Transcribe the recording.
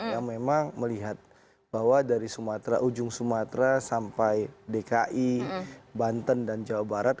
yang memang melihat bahwa dari sumatera ujung sumatera sampai dki banten dan jawa barat